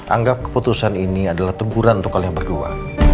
anggap keputusan ini adalah teguran untuk kalian berdua